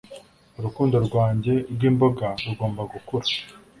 Urukundo rwanjye rwimboga rugomba gukura